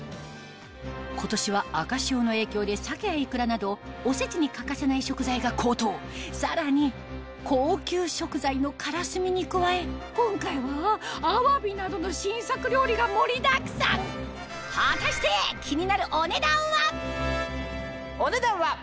今年は赤潮の影響でサケやイクラなどおせちに欠かせない食材が高騰さらに高級食材のからすみに加え今回はあわびなどの新作料理が盛りだくさん果たしてえ安い！